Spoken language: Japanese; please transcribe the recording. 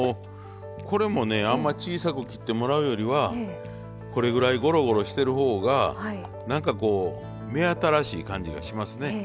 これもねあんまり小さく切ってもらうよりはこれぐらいゴロゴロしてる方が何かこう目新しい感じがしますね。